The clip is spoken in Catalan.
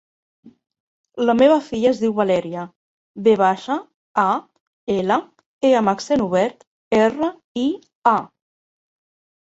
La meva filla es diu Valèria: ve baixa, a, ela, e amb accent obert, erra, i, a.